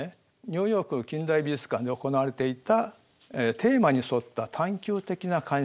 ニューヨーク近代美術館で行われていたテーマに沿った探究的な鑑賞という方法なんです。